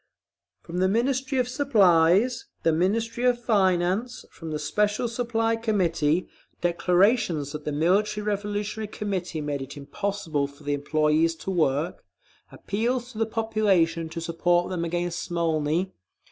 From the Ministry of Supplies, the Ministry of Finance, from the Special Supply Committee, declarations that the Military Revolutionary Committee made it impossible for the employees to work, appeals to the population to support them against Smolny….